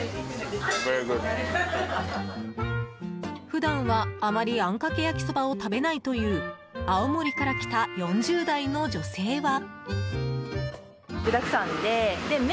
普段は、あまりあんかけ焼そばを食べないという青森から来た４０代の女性は。